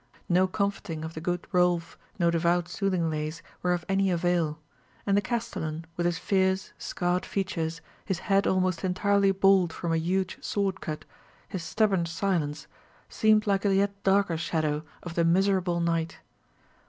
No comforting of the good Rolf, no devout soothing lays, were of any avail; and the castellan, with his fierce, scarred features, his head almost entirely bald from a huge sword cut, his stubborn silence, seemed like a yet darker shadow of the miserable knight.